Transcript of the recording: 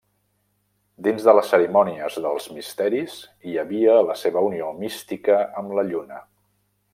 Dins de les cerimònies dels misteris hi havia la seva unió mística amb la Lluna.